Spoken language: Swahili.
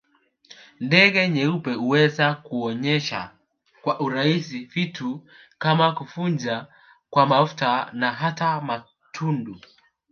Ndege nyeupe huweza kuonesha kwa urahisi vitu kama kuvuja kwa mafuta na hata matundu